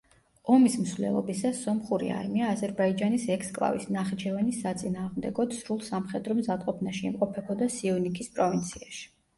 ომის მსვლელობისას სომხური არმია აზერბაიჯანის ექსკლავის, ნახიჩევანის საწინააღმდეგოდ სრულ სამხედრო მზადყოფნაში იმყოფებოდა სიუნიქის პროვინციაში.